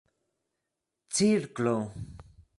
cirklo